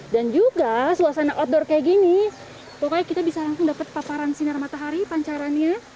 dan juga suasana outdoor kayak gini pokoknya kita bisa langsung dapet paparan sinar matahari pancarannya